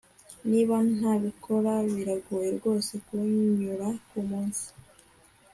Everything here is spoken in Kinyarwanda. niba ntabikora, biragoye rwose kunyura kumunsi